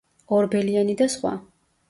ორბელიანი და სხვა.